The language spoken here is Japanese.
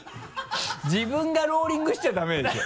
自分がローリングしちゃダメでしょ。